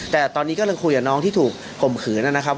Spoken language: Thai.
แต่ตอนนี้ก็คุยกับที่ถูกข่มขืนนะครับ